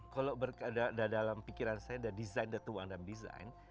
kalau berada dalam pikiran saya dan desain ada tuang dalam desain